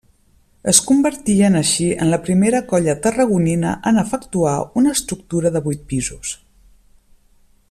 Es convertien així en la primera colla tarragonina en efectuar una estructura de vuit pisos.